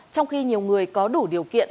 trong khi nhiều người có đủ điều kiện